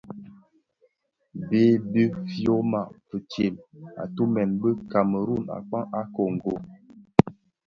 Bë bi fyoma fistem, atumèn bi Kameru a kpaň a kongo.